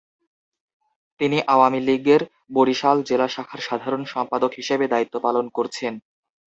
তিনি আওয়ামী লীগের বরিশাল জেলা শাখার সাধারণ সম্পাদক হিসেবে দায়িত্ব পালন করছেন।